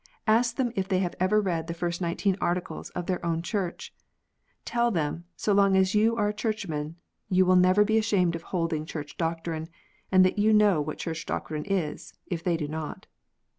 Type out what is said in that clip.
Ask them if they have ever read the first nineteen Articles of their own Church. Tell them, so long as you are a Churchman, you will never be ashamed of holding Church doctrine, and that you know what Church doctrine is, if they do not.